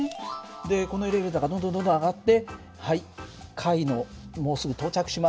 でこのエレベーターがどんどんどんどん上がってはい階のもうすぐ到着します。